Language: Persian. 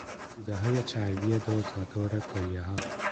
تودههای چربی دور تا دور کلیهها